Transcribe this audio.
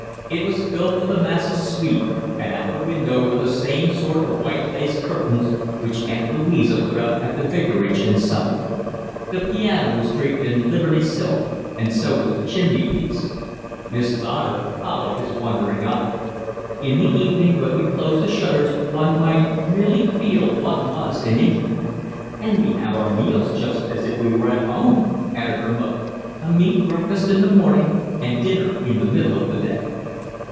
It was filled with a massive suite, and at the window were the same sort of white lace curtains which Aunt Louisa put up at the vicarage in summer. The piano was draped in Liberty silk and so was the chimney piece. Mrs. Otter followed his wandering eye. "In the evening when we close the shutters one might really feel one was in England." "And we have our meals just as if we were at home," added her mother. "A meat breakfast in the morning and dinner in the middle of the day."